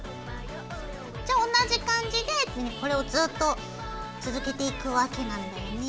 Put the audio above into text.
じゃあ同じ感じでこれをずっと続けていくわけなんだよね。